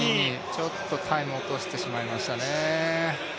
ちょっとタイムを落としてしまいましたね。